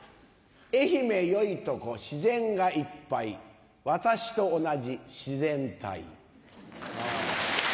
愛媛よいとこ自然がいっぱい私と同じ自然体。